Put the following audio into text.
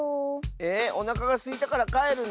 えおなかがすいたからかえるの？